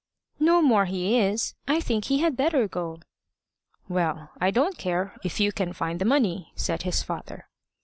"No more he is. I think he had better go." "Well, I don't care, if you can find the money," said his father.